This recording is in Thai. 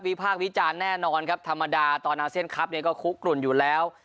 พากษ์วิจารณ์แน่นอนครับธรรมดาตอนอาเซียนคลับเนี่ยก็คุกกลุ่นอยู่แล้ว